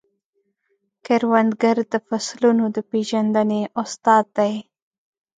کروندګر د فصلونو د پیژندنې استاد دی